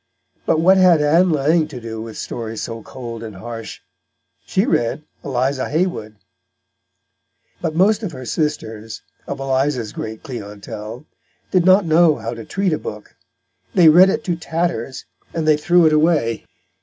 But what had Ann Lang to do with stories so cold and harsh? She read Eliza Haywood. But most of her sisters, of Eliza's great clientèle, did not know how to treat a book. They read it to tatters, and they threw it away.